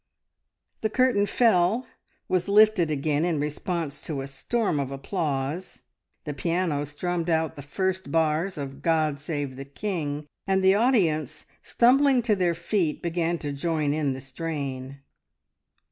The curtain fell, was lifted again in response to a storm of applause, the piano strummed out the first bars of "God Save the King," and the audience, stumbling to their feet, began to join in the strain.